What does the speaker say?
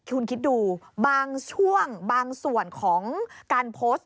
คุณคิดดูบางช่วงบางส่วนของการโพสต์